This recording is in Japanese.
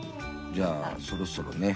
じゃあそろそろね。